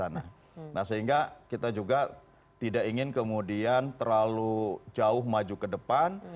nah sehingga kita juga tidak ingin kemudian terlalu jauh maju ke depan